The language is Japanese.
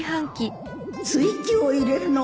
スイッチを入れるのを忘れた